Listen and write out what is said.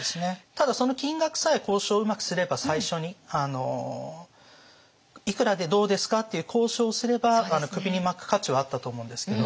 ただ金額さえ交渉をうまくすれば最初に「いくらでどうですか？」っていう交渉をすれば首に巻く価値はあったと思うんですけど。